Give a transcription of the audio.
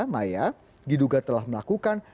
maya diduga telah melakukan